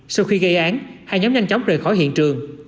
sau khi gây án hai nhóm nhanh chóng rời khỏi hiện trường